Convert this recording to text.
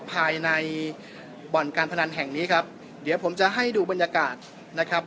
ภายในบ่อนการพนันแห่งนี้ครับเดี๋ยวผมจะให้ดูบรรยากาศนะครับ